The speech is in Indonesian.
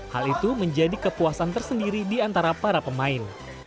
hal itu menjadi kepuasan tersendiri diantara para pemain